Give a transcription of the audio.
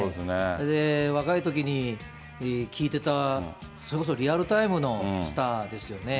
で、若いときに聴いてた、それこそリアルタイムのスターですよね。